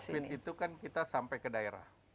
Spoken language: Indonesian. sebenarnya kan kita sampai ke daerah